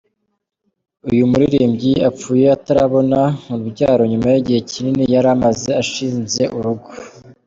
Uyu muririmbyi apfuye atarabona urubyaro nyuma y’igihe kinini yari amaze ashinze urugo.